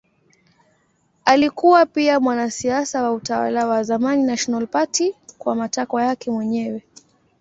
Alikuwa pia mwanasiasa wa utawala wa zamani National Party kwa matakwa yake mwenyewe.